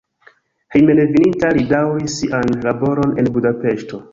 Hejmenveninta li daŭris sian laboron en Budapeŝto.